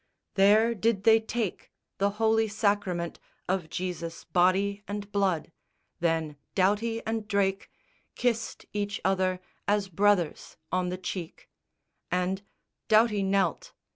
There did they take the holy sacrament Of Jesus' body and blood. Then Doughty and Drake Kissed each other, as brothers, on the cheek; And Doughty knelt.